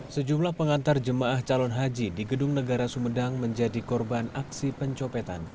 sejumlah pengantar jemaah calon haji di gedung negara sumedang menjadi korban aksi pencopetan